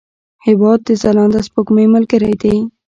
هېواد د ځلانده سپوږمۍ ملګری دی.